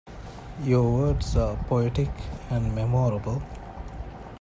Your words are poetic and memorable.